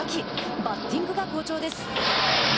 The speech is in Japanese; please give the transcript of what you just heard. バッティングが好調です。